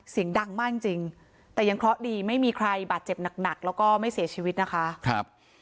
เสียงดังมากจริงแต่ยังเคราะห์ดีไม่มีใครบาดเจ็บหนักแล้วก็ไม่เสียชีวิตนะคะครับ